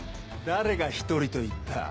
誰が１人と言った？